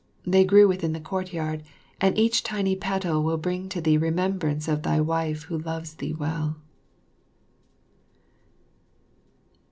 They grew within thy courtyard, and each tiny petal will bring to thee remembrance of thy wife who loves thee well.